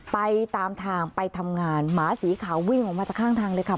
ไปตามทางไปทำงานหมาสีขาววิ่งออกมาจากข้างทางเลยค่ะ